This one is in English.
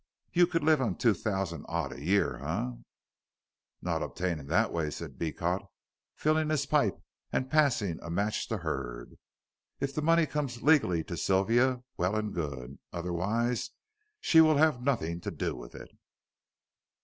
You could live on two thousand odd a year, eh?" "Not obtained in that way," said Beecot, filling his pipe and passing a match to Hurd. "If the money comes legally to Sylvia, well and good; otherwise she will have nothing to do with it."